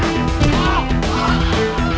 kau mau bubar atau gua hajar